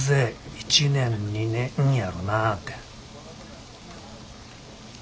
１年２年やろなて。